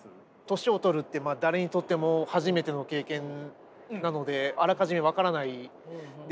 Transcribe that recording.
年を取るって誰にとっても初めての経験なのであらかじめ分からないんですよね。